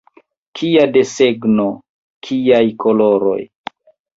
Kia desegno, kiaj koloroj!